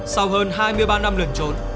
sau hơn hai mươi ba năm lẩn trốn